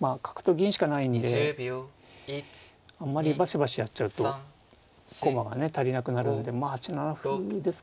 まあ角と銀しかないんであんまりバシバシやっちゃうと駒がね足りなくなるんでまあ８七歩ですかね。